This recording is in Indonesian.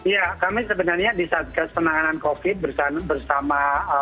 ya kami sebenarnya disatgas penanganan covid bersama